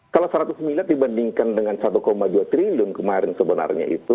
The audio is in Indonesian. kalau seratus miliar dibandingkan dengan satu dua triliun kemarin sebenarnya itu